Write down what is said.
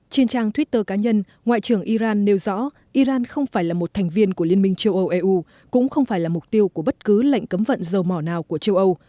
trên trang twitter cá nhân ngoại trưởng iran nêu rõ iran không phải là một thành viên của liên minh châu âu eu cũng không phải là mục tiêu của bất cứ lệnh cấm vận dầu mỏ nào của châu âu